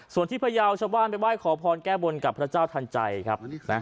ส่วนที่พยาวชาวบ้านไปไหว้ขอพรแก้บนกับพระเจ้าทันใจครับ